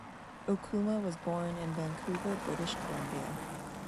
Okuma was born in Vancouver, British Columbia.